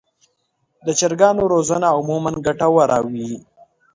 د چرګانو روزنه عموماً ګټه وره وي.